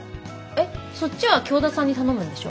えっそっちは京田さんに頼むんでしょ？